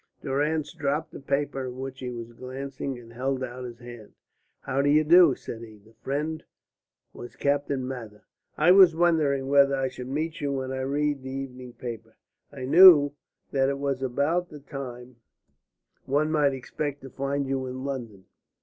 Durrance dropped the paper at which he was glancing and held out his hand. "How do you do?" said he. This friend was Captain Mather. "I was wondering whether I should meet you when I read the evening paper. I knew that it was about the time one might expect to find you in London.